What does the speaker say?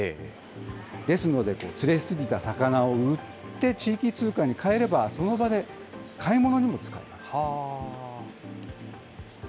ですので、釣れ過ぎた魚を売って、地域通貨にかえれば、その場で買い物にも使えます。